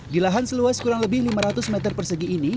di lahan seluas kurang lebih lima ratus meter persegi ini